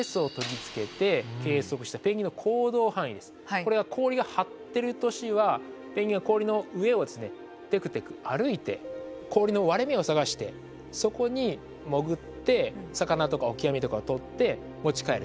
これは氷が張ってる年はペンギンが氷の上をテクテク歩いて氷の割れ目を探してそこに潜って魚とかオキアミとかを取って持ち帰る。